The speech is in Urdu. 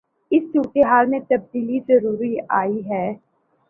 اس صورتحال میں تبدیلی ضرور آئی ہے۔